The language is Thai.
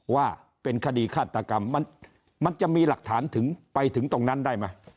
ว่าเป็นคดีฆาตกรรมมันจะมีหลักฐานถึงไปถึงตรงนั้นได้ไหม